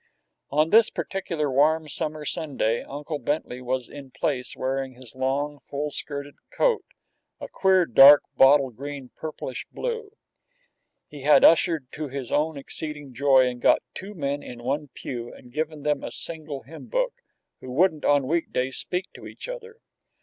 On this particular warm summer Sunday Uncle Bentley was in place wearing his long, full skirted coat, a queer, dark, bottle green, purplish blue. He had ushered to his own exceeding joy, and got two men in one pew, and given them a single hymn book, who wouldn't on week days speak to each other.